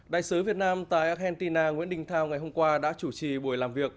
đại sứ việt nam tại argentina nguyễn đình thao ngày hôm qua đã chủ trì buổi làm việc